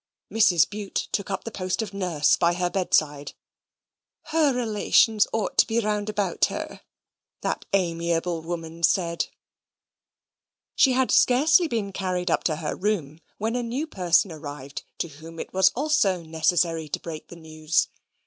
Mrs. Bute took up the post of nurse by her bedside. "Her relations ought to be round about her," that amiable woman said. She had scarcely been carried up to her room, when a new person arrived to whom it was also necessary to break the news.